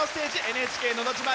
「ＮＨＫのど自慢」